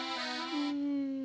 うん。